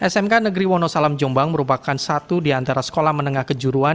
smk negeri wonosalam jombang merupakan satu di antara sekolah menengah kejuruan